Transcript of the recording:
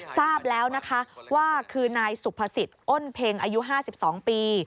ทราบแล้วว่าคือนายสุภสิตอ้นเพ็งอายุ๕๒ปี